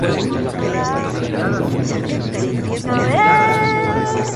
Murió terminada la guerra y fue sepultado en el Cementerio de Chincha Baja.